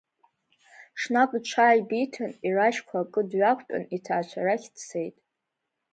Ҽнак иҽааибиҭан ирашьқәа акы дҩақәтәан иҭаацәа рахь дцеит.